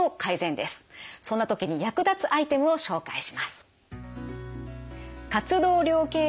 そんな時に役立つアイテムを紹介します。